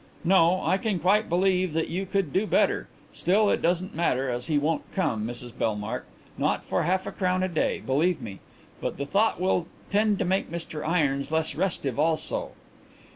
"No; I can quite believe that you could do better. Still, it doesn't matter, as he won't come, Mrs Bellmark; not for half a crown a day, believe me. But the thought will tend to make Mr Irons less restive also.